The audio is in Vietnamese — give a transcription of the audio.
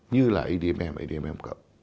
như là adm và adm